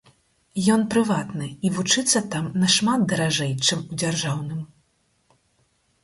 Ён прыватны, і вучыцца там нашмат даражэй, чым у дзяржаўным.